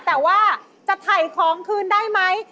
แต่ว่าจะไถของขึ้นได้ไหม